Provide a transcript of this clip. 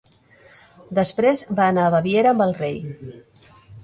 Després va anar a Baviera amb el rei.